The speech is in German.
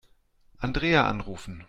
Andrea anrufen.